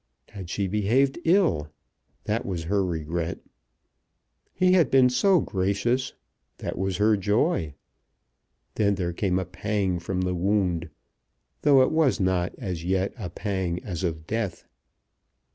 Had she behaved ill? that was her regret! He had been so gracious; that was her joy! Then there came a pang from the wound, though it was not as yet a pang as of death.